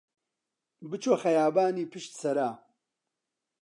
بچۆ خەیابانی پشت سەرا